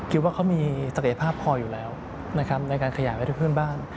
ว่าเขามีศักยภาพพออยู่แล้วนะครับในการขยายไปทุกเพื่อนบ้าน